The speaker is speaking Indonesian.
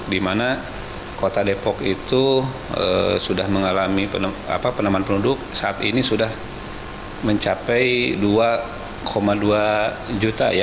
di mana kota depok itu sudah mengalami peneman penduduk saat ini sudah mencapai dua dua juta